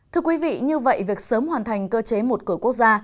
thưa quý vị như vậy việc sớm hoàn thành cơ chế một cửa quốc gia